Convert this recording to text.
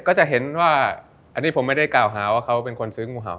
ก็จะเห็นว่าอันนี้ผมไม่ได้กล่าวหาว่าเขาเป็นคนซื้องูเห่า